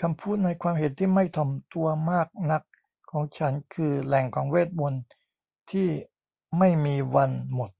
คำพูดในความเห็นที่ไม่ถ่อมตัวมากนักของฉันคือแหล่งของเวทมนตร์ที้ไม่มีวันหมด